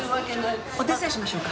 お手伝いしましょうか？